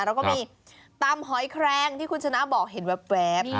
แล้วก็มีตำหอยแครงที่คุณชนะบอกเห็นแว๊บ